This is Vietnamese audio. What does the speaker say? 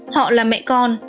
họ là mẹ con